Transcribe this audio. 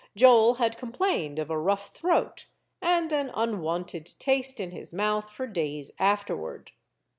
Joel had complained of a rough throat and an unwonted taste in his mouth for days afterward.